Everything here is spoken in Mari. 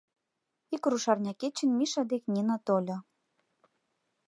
Ик рушарня кечын Миша дек Нина тольо.